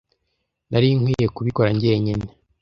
Nari nkwiye kubikora njyenyine.